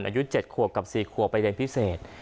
อายุเจ็ดครัวกับสี่ครัวไปเรียนพิเศษ